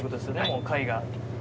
もう貝が。